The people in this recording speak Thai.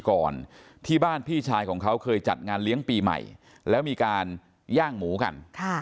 ก่อนที่บ้านพี่ชายของเขาเคยจัดงานเลี้ยงปีใหม่แล้วมีการย่างหมูกัน